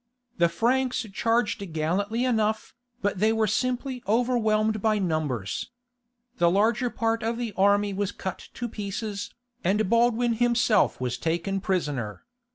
The Franks charged gallantly enough, but they were simply overwhelmed by numbers. The larger part of the army was cut to pieces, and Baldwin himself was taken prisoner.